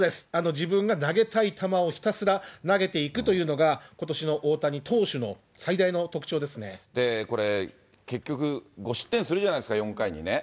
自分が投げたい球をひたすら投げていくというのが、ことしの大谷投手の最大の特徴でこれ、結局、５失点するじゃないですか、４回にね。